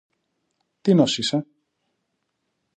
Τίνος είσαι;